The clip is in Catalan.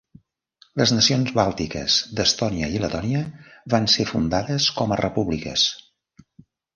Les nacions bàltiques d'Estònia i Letònia van ser fundades com a repúbliques.